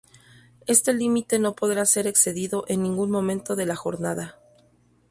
Este límite no podrá ser excedido en ningún momento de la jornada.".